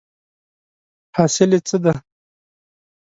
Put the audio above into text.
حاصل یې څه دی ؟